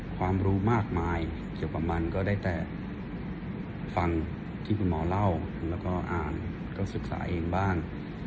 ความรู้มากมายเกี่ยวกับมันก็ได้แต่ฟังที่คุณหมอเล่าแล้วก็อ่านก็ศึกษาเองบ้าง